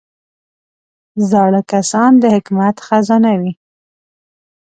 زاړه کسان د حکمت خزانه وي